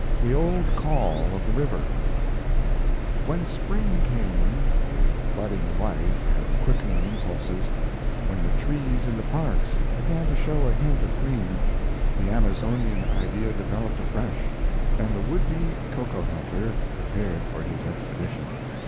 THE OLD CALL OF THE RIVER When spring came, with budding life and quickening impulses; when the trees in the parks began to show a hint of green, the Amazonian idea developed afresh, and the would be coca hunter prepared for his expedition.